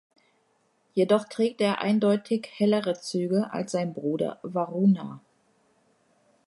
Jedoch trägt er eindeutig hellere Züge als sein Bruder Varuna.